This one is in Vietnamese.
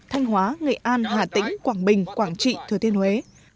thanh hóa nghệ an hà tĩnh quảng bình quảng trị thừa thiên huế